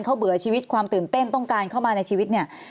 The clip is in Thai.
เขาเบื่อชีวิตความตื่นเต้นต้องการเข้ามาในชีวิตเนี่ย